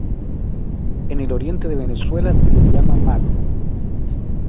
En el Oriente de Venezuela se le llama maco.